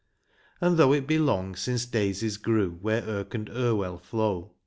And though it be long since daisies grew Where Irk and Irwell flow.